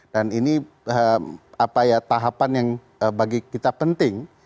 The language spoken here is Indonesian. dan ini tahapan yang bagi kita penting